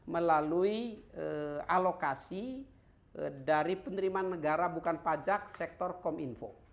melalui alokasi dari penerimaan negara bukan pajak sektor kominfo